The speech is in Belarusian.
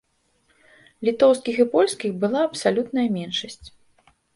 Літоўскіх і польскіх была абсалютная меншасць.